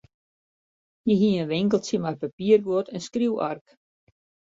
Hy hie in winkeltsje mei papierguod en skriuwark.